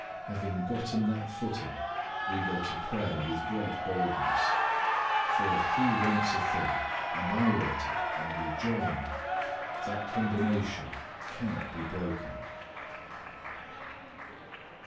Having gotten that footing, we go to prayer with great boldness. For if He wants a thing and I want it and we join that combination cannot be broken.